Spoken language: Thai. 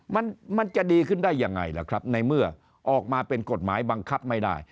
มันมันจะดีขึ้นได้ยังไงล่ะครับในเมื่อออกมาเป็นกฎหมายบังคับไม่ได้